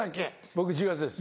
僕１０月です。